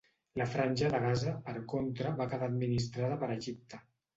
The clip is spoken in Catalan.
La Franja de Gaza, per contra, va quedar administrada per Egipte.